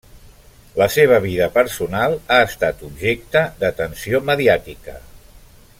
La seva vida personal ha estat objecte d'atenció mediàtica.